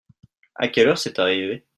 À quelle heure c’est arrivé ?